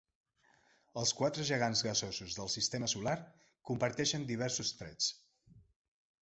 Els quatre gegants gasosos del sistema solar comparteixen diversos trets.